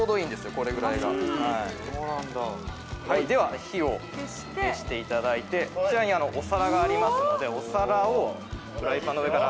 これぐらいがでは火を消していただいて消してこちらにお皿がありますのでお皿をフライパンの上からはい！